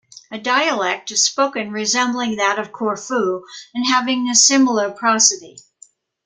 A dialect is spoken resembling that of Corfu and having a similar prosody.